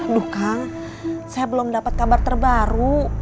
aduh kang saya belum dapet kabar terbaru